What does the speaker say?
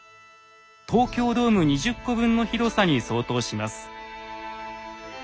東京ドーム２０個分の広さに相当します。